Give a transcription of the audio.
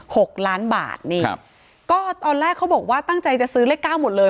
หกล้านบาทนี่ครับก็ตอนแรกเขาบอกว่าตั้งใจจะซื้อเลขเก้าหมดเลย